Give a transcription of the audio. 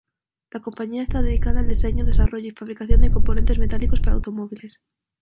La compañía está dedicada al diseño, desarrollo y fabricación de componentes metálicos para automóviles.